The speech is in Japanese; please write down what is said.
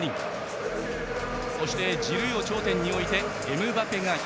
そして、ジルーを頂点に置いてエムバペが左。